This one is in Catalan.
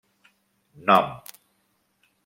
Nom: